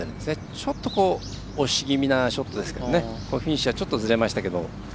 ちょっと押し気味なショットですけどフィニッシュがずれましたけど。